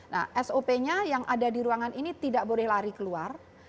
nah sop nya yang ada di ruangan ini tidak boleh lari keluar